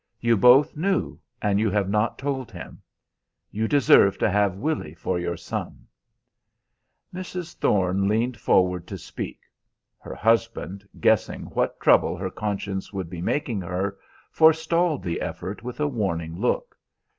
You both knew, and you have not told him. You deserve to have Willy for your son!" Mrs. Thorne leaned forward to speak. Her husband, guessing what trouble her conscience would be making her, forestalled the effort with a warning look.